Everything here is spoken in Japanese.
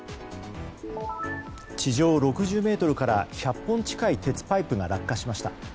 地上６０ｍから１００本近い鉄パイプが落下しました。